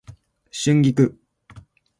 春菊